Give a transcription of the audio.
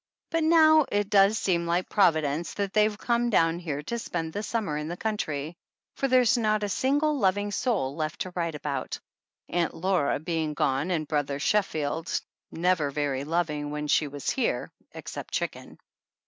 But now it does seem like Provi dence that they've come down here to spend the summer in the country, for there's not a single loving soul left to write about, Aunt Laura be ing gone and Brother Sheffield never very loving when she was here, except chicken.